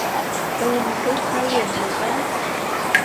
— Тыйын ушет каен, ньога!